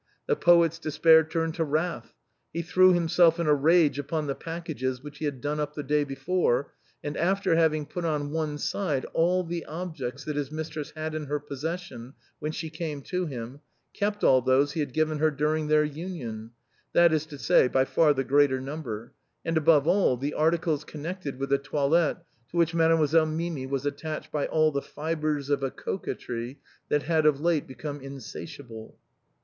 The poet's despair turned to wrath. He threw himself in a rage upon the packages which he had done up the day before, and after having put on one side all the objects that his mistress had in her possession when she came to him, kept all those he had given her during their union, that is to say, by far the greater number, and, above all, the articles connected with the toilette to which Modemoiselle Mimi was attached by all the fibres of a coquetry that had of late become in satiable.